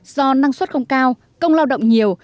do năng suất không cao công lao động nhiều